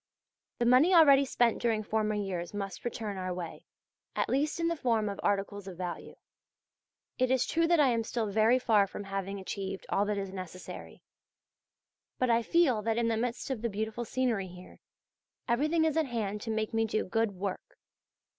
The money already spent during former years must return our way, at least in the form of articles of value. It is true that I am still very far from having achieved all that is necessary; but I feel that in the midst of the beautiful scenery here, everything is at hand to make me do good work.